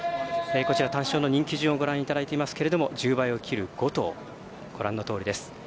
単勝の人気順をご覧いただいていますけれど１０倍を切る５頭ご覧のとおりです。